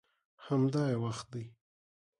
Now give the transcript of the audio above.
همدا یې وخت دی.